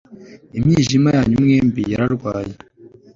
Imyijima yanyu mwembi yararwaye